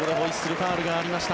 ファウルがありました。